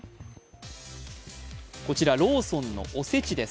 こちらローソンのお節です。